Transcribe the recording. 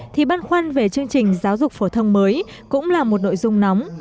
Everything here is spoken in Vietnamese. thì băn khoăn về chương trình giáo dục phổ thông mới cũng là một nội dung nóng